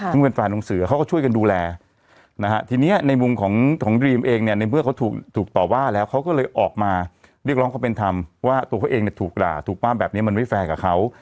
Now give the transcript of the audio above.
ซึ่งเป็นแฟนของเสือเขาก็ช่วยกันดูแลนะฮะทีนี้ในมุมของดรีมเองเนี่ยในเมื่อเขาถูกต่อว่าแล้วเขาก็เลยออกมาเรียกร้องความเป็นธรรมว่าตัวเขาเองเนี่ยถูกด่าถูกปั้มแบบนี้มันไม่แฟร์กับเขา